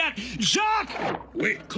ジャック！